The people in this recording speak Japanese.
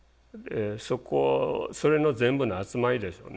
そこそれの全部の集まりでしょうね。